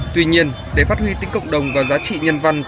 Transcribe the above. tuy nhiên để phát huy tính cộng đồng và giá trị nhân văn